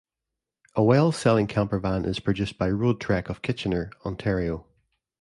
A well-selling campervan is produced by Roadtrek of Kitchener, Ontario.